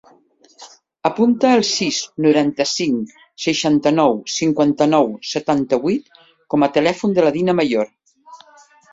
Apunta el sis, noranta-cinc, seixanta-nou, cinquanta-nou, setanta-vuit com a telèfon de la Dina Mayor.